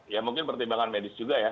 ya mungkin pertimbangan medis juga ya